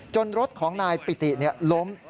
รถของนายปิติล้ม